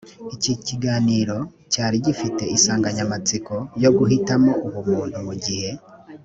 iki kiganiro cyari gifite insanganyamatsiko yo guhitamo ubumuntu mugihe